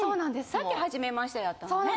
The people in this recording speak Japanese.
さっき「はじめまして」だったもんね？